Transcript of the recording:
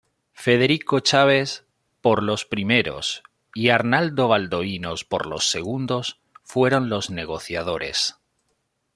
Federico Chaves por los primeros y Arnaldo Valdovinos por los segundos, fueron los negociadores.